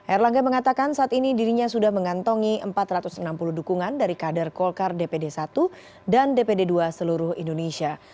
erlangga mengatakan saat ini dirinya sudah mengantongi empat ratus enam puluh dukungan dari kader golkar dpd satu dan dpd dua seluruh indonesia